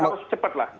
dan harus cepat lah